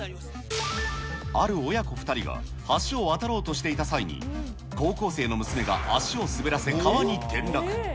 ある親子２人が橋を渡ろうとしていた際に、高校生の娘が足を滑らせ、川に転落。